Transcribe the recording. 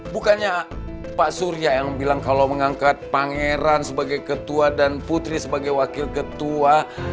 bukannya pak surya yang bilang kalau mengangkat pangeran sebagai ketua dan putri sebagai wakil ketua